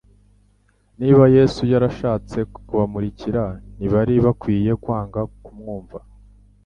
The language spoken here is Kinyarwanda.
Niba, Yesu yarashatse kubamurikira, ntibari bakwiye kwanga kumwumva.